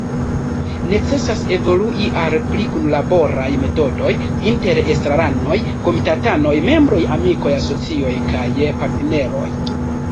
Necesas evolui al pli kunlaboraj metodoj inter estraranoj, komitatanoj, membroj, amikoj, asocioj kaj partneroj.